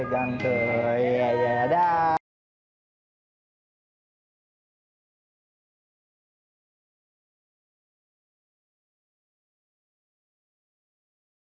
jangan lupa pegang tuh